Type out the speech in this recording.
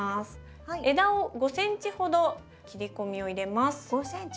枝を５ｃｍほど切り込みを入れます。